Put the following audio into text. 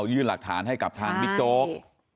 อักษรแบบฐานให้กับคุณมิจโจ๊ก